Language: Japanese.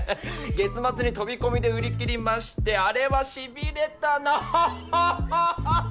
月末に飛び込みで売りきりましてあれはしびれたなははははっ。